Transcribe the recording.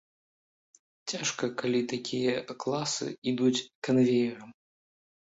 Цяжка, калі такія класы ідуць канвеерам.